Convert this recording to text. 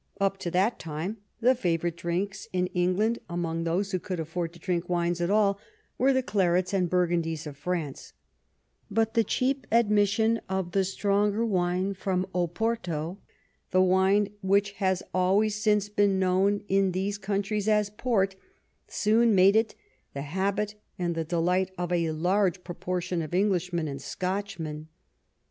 Up to that time the favorite drinks in England, among those who could afford to drink wines at all, were the clarets and burgundies of France ; but the cheap admission of the stronger wine from Oporto, the wine which has always since been known in these countries as port, soon made it the habit and the delight of a large pro portion of Englishmen and Scotchmen.